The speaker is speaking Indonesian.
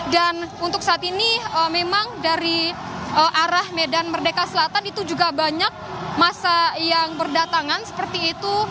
dan untuk saat ini memang dari arah medan merdeka selatan itu juga banyak masa yang berdatangan seperti itu